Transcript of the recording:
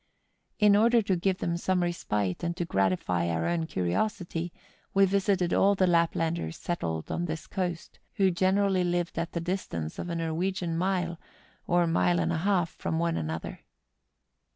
In order to give them some respite, and to gratify our own curiosity, we visited all the Laplanders settled on this coast, who generally lived at the dis¬ tance of a Norwegian mile, or mile and a half from one another.